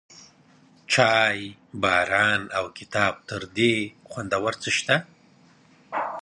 چای، باران، او کتاب، تر دې خوندور څه شته؟